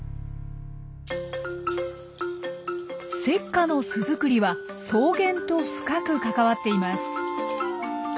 セッカの巣作りは草原と深く関わっています。